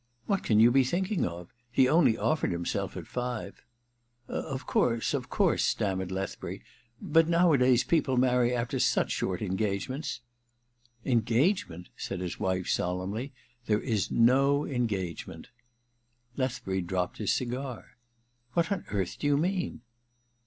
*What can you be thinking of? He only offered himself at five !'* Of course — of course —' stammered Leth bury — *but nowadays people marry after such short engagements r '* Engagement !* said his wife solemnly. * There is no engagement/ Lethbury dropped his cigar. *What on earth do you mean